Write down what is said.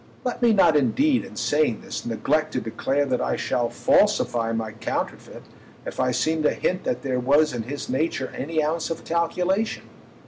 Let me not indeed, in saying this, neglect to declare that I shall falsify my counterfeit if I seem to hint that there was in his nature any ounce of calculation.